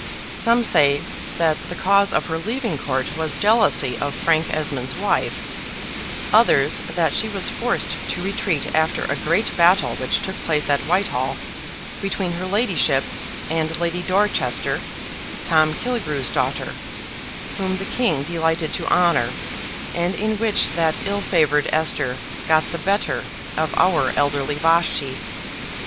Some say that the cause of her leaving Court was jealousy of Frank Esmond's wife: others, that she was forced to retreat after a great battle which took place at Whitehall, between her ladyship and Lady Dorchester, Tom Killigrew's daughter, whom the King delighted to honor, and in which that ill favored Esther got the better of our elderly Vashti.